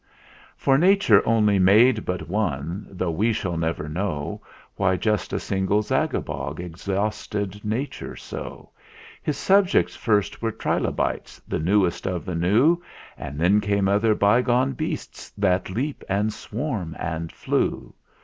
in. For Nature only made but one, though we shall never know Why just a single Zagabog exhausted Nature so. His subjects first were trilobites, the newest of the new, And then came other bygone beasts that leapt and swam and flew.